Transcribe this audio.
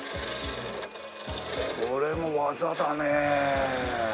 これも技だねえ。